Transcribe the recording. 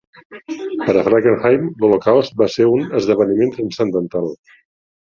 Per a Fackenheim, l'Holocaust va ser un "esdeveniment transcendental".